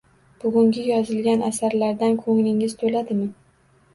Bugungi yozilgan asarlardan ko`nglingiz to`ladimi